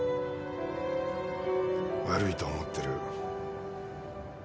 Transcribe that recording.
悪いと思ってる。